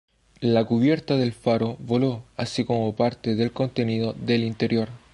La cubierta del faro voló, así como parte del contenido del interior.